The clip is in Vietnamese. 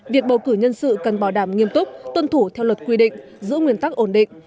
việc bầu cử nhân sự cần bảo đảm nghiêm túc tuân thủ theo luật quy định giữ nguyên tắc ổn định